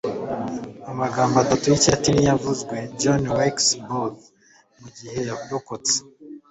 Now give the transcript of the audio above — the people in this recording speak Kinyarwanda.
Amagambo atatu yikilatini yavuzwe John Wilkes Booth mugihe yarokotse